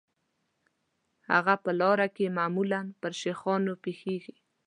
هغه په لاره کې معمولاً پر شیخانو پیښیږي.